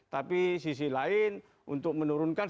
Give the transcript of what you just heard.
tapi sisi lain untuk menurunkan